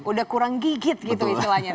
udah kurang gigit gitu istilahnya